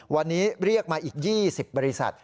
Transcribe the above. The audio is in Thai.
วันนี้เรียกมาอีก๒๐บริษัท